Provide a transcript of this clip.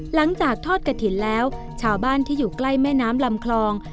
หลังจากทอดกระถิ่นแล้วชาวบ้านที่อยู่ใกล้แม่น้ำลำคลอง